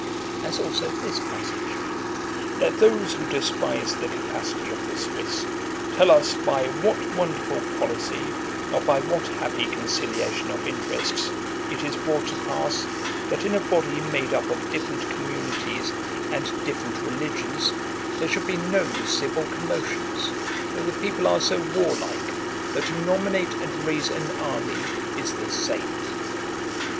As also this passage: 'Let those who despise the capacity of the Swiss, tell us by what wonderful policy, or by what happy conciliation of interests, it is brought to pass, that in a body made up of different communities and different religions, there should be no civil commotions, though the people are so warlike, that to nominate and raise an army is the same.'